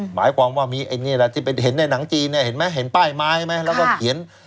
หมายความว่าเห็นในหนังจีนเห็นป้ายไม้แล้วก็เขียน